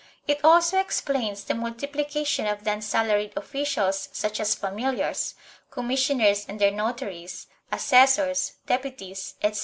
It also explains the multiplication of the unsalaried officials such as familiars, commissioners and their notaries, assessors, deputies etc.